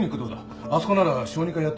あそこなら小児科やってんだろ。